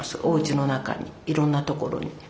おうちの中にいろんなところに。